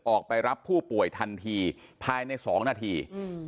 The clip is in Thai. ออกไปรับผู้ป่วยทันทีภายใน๒นาที